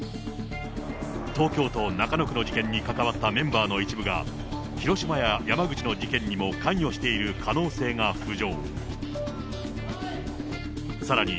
東京都中野区の事件に関わったメンバーの一部が、広島や山口の事件にも関与している可能性が浮上。